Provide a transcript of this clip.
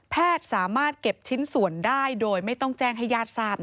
สามารถเก็บชิ้นส่วนได้โดยไม่ต้องแจ้งให้ญาติทราบ